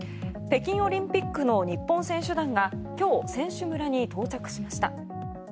北京オリンピックの日本選手団が今日、選手村に到着しました。